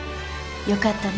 よかったね